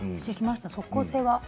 即効性が。